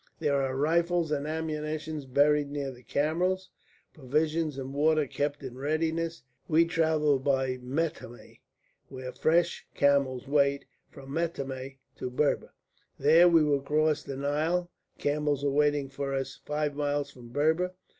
There are rifles and ammunition buried near the camels, provisions and water kept in readiness. We travel by Metemneh, where fresh camels wait, from Metemneh to Berber. There we cross the Nile; camels are waiting for us five miles from Berber.